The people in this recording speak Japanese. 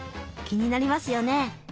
気になりますよね？